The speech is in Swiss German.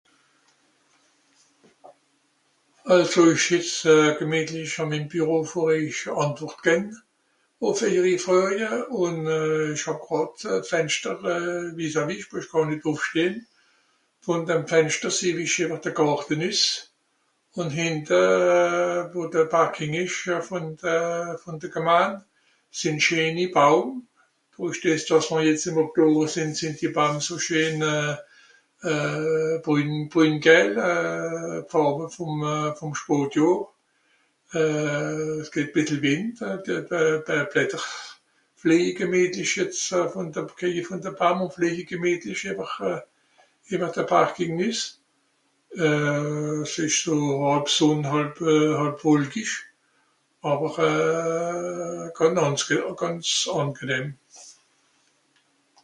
Àlso ìch sìtz gemìetlich àn mim Büro fer èich Àntwort gänn. Ùff èiri Fröje, ùn euh... ìch hàb gràd zem Fenschter vis-à-vis, ìch mues gàr nìt ùffstehn. Vù dem Fenschter seh-w-ich de Gàrte nüss. Ùn hìnte wo de Parking ìsch euh... vùn de... vùn de Geman sìnn scheeni Baum. (...) dàss mr jetz ìm Oktower sìnn sìnn die Bam so scheen euh... Brün Gäll, d'Fàrwe wùm euh... vùm Spotjohr. Euh... s'gìbbt bìssel Wìnd hein de... de... de Blätter flìeje gemìtlich jetz vùn de.... kéie vùn de Bam ùn flìeje gemìtlich ìwer... ìwer de Parking nüss. Euh... s'ìsch so hàlb Sùnn hàlb euh... hàlb Wolkisch. Àwer euh... gànz... gànz àngenehm.